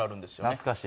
懐かしい。